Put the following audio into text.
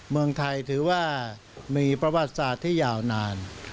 เมืองไทยถือว่ามีประวัติศาสตร์ที่ยาวนาน